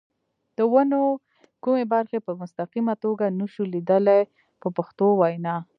د ونو کومې برخې په مستقیمه توګه نشو لیدلای په پښتو وینا.